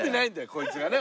こいつがね